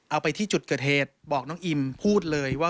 เอาไปที่จุดเกิดเหตุบอกน้องอิมพูดเลยว่า